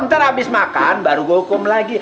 ntar habis makan baru gue hukum lagi